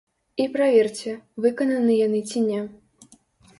І праверце, выкананы яны ці не.